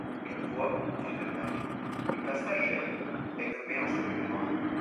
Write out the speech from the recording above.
Une voie du de Paris, le passage Jaillot, est nommée en sa mémoire.